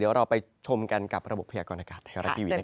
เดียวเราไปชมกันกับระบบพยากรนางาร์